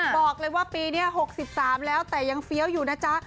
บอกเลยว่าปีนี้๖๓แล้วแต่ยังเฟี้ยวอยู่นะจ๊ะ